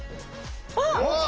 あっ！